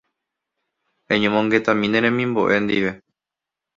Eñomongetami ne remimbo'e ndive.